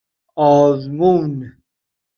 آزمون